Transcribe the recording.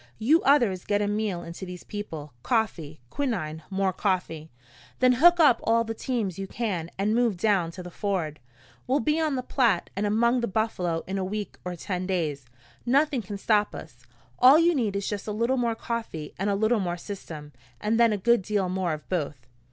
You others get a meal into these people coffee, quinine, more coffee. Then hook up all the teams you can and move down to the ford. We'll be on the Platte and among the buffalo in a week or ten days. Nothing can stop us. All you need is just a little more coffee and a little more system, and then a good deal more of both.